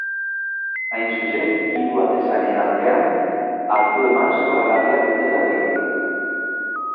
Hain zuzen, hiru atezainen artean hartu eman zoragarria dutela dio.